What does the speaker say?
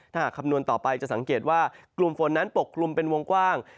ถ้าหากคำนวณต่อไปจะสังเกตว่ากลุ่มฝนนั้นปกคลุมเป็นวงกว้าง